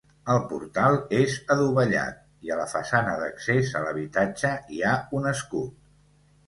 El portal és adovellat, i a la façana d'accés a l'habitatge hi ha un escut.